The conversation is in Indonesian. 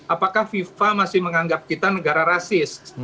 apakah fifa masih menganggap kita negara rasis